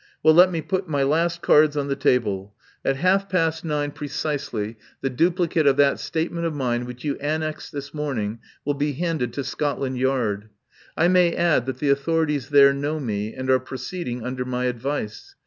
Well, let me put my last cards on the table. At half past nine pre 196 THE POWER HOUSE cisely the duplicate of that statement of mine which you annexed this morning will be handed to Scotland Yard. I may add that the authorities there know me, and are proceed ing under my advice.